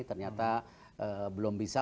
ternyata belum bisa